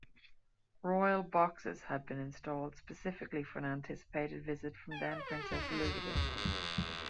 'Royal boxes' had been installed specifically for an anticipated visit from then-Princess Elizabeth.